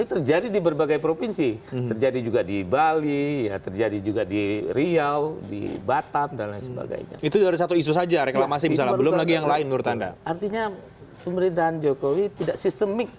terima kasih terima kasih